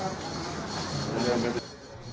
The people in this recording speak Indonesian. silakan siapkan motor